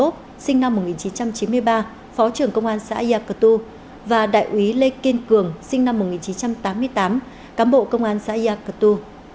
phó trưởng công an xã yà cờ tu và đại úy lê kiên cường sinh năm một nghìn chín trăm tám mươi tám cám bộ công an xã yà cờ tu